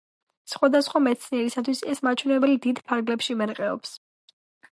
სხვადასხვა მცენარისათვის ეს მაჩვენებელი დიდ ფარგლებში მერყეობს.